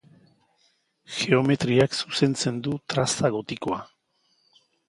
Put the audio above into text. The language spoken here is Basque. Geometriak zuzentzen du traza gotikoa.